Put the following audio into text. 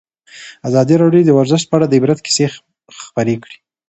ازادي راډیو د ورزش په اړه د عبرت کیسې خبر کړي.